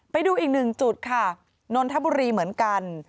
ไปดูอีกหนึ่งจุดค่ะนนทบุรีเหมือนกัน